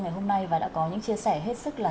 ngày hôm nay và đã có những chia sẻ hết sức là